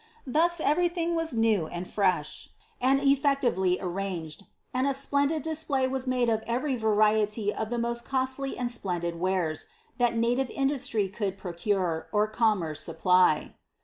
Thoi everylhing was new and fresh, and effectively arranged ; and a splendid display was made of every variety of the most costly and splendid wares, that native industry could produce, or commerce supply.